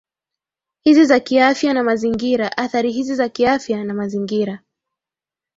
hizi za kiafya na mazingiraAthari hizi za kiafya na mazingira